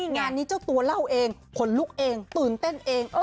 งานนี้เจ้าตัวเล่าเองขนลุกเองตื่นเต้นเอง